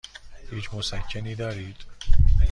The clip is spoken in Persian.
هیچ مسکنی دارید؟